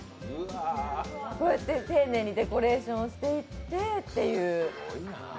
こうやって丁寧にデコレーションしていってという。